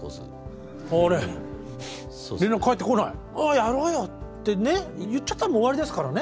やろうよってね言っちゃったらもう終わりですからね。